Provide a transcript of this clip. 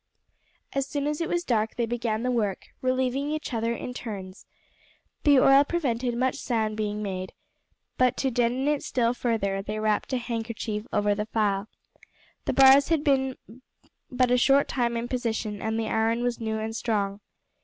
As soon as it was dark they began the work, relieving each other in turns. The oil prevented much sound being made, but to deaden it still further they wrapped a handkerchief over the file. The bars had been but a short time in position and the iron was new and strong.